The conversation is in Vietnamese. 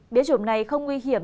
biến chủng này không nguy hiểm